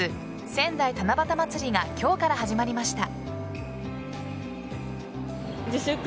仙台七夕まつりが今日から始まりました。